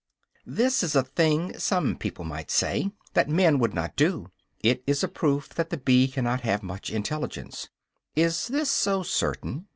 This is a thing, some people might say, that men would not do; it is a proof that the bee cannot have much intelligence. Is this so certain?